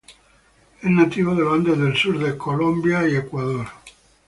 Es nativo de los Andes del sur de Colombia y Ecuador.